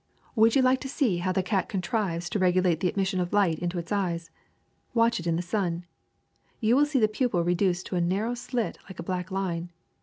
Would you like to see how the c^t contrives to LIGHT 379 regulate the admission of light into its eyes! Watch it in the sun. You will see the pupil reduced to a narrow slit like a black line.